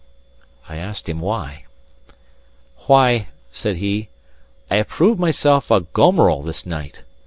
I asked him why. "Why," said he, "I have proved myself a gomeral this night.